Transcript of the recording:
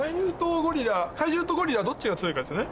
怪獣とゴリラどっちが強いかですよね。